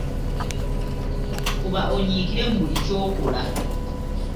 Fuba onyikiire mu buli ky’okola.